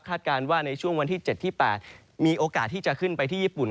การว่าในช่วงวันที่๗ที่๘มีโอกาสที่จะขึ้นไปที่ญี่ปุ่น